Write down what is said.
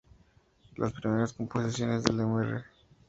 Las primeras composiciones de Mr.